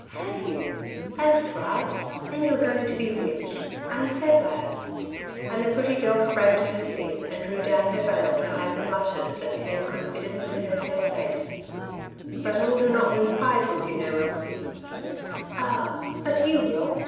^'Have you? that's right; then you are going to be rich; I'm so glad." And the pretty girl sprang to her seat, and drew down her veil to hide the blushes that came unbidden to her fair face. Elsie? s Influence, 6 1 €i But all do not win prizes, you know, Elsle/^ ''Ah! but you will.